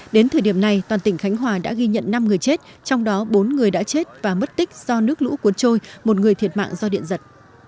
đến thời điểm này toàn tỉnh khánh hòa đã ghi nhận năm người chết trong đó bốn người đã chết và mất tích do nước lũ cuốn trôi một người thiệt mạng do điện giật